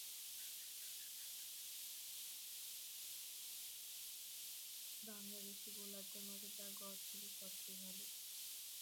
বাংলাদেশী বোলারদের মধ্যে তার গড় ছিল সবচেয়ে ভাল।